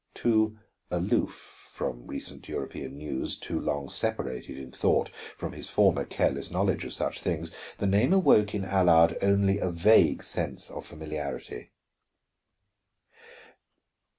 Too aloof from recent European news, too long separated in thought from his former careless knowledge of such things, the name awoke in Allard only a vague sense of familiarity.